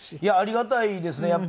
いやありがたいですね。